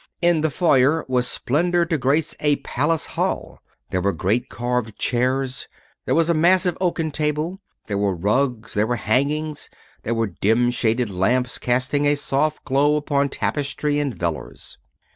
In the foyer was splendor to grace a palace hall. There were great carved chairs. There was a massive oaken table. There were rugs, there were hangings, there were dim shaded lamps casting a soft glow upon tapestry and velours.